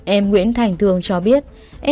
em nguyễn thành thương cho biết